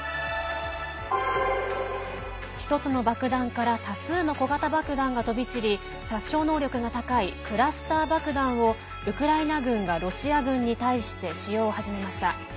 １つの爆弾から多数の小型爆弾が飛び散り殺傷能力が高いクラスター爆弾をウクライナ軍がロシア軍に対して使用を始めました。